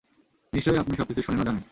নিশ্চয়ই আপনি সবকিছু শোনেন ও জানেন।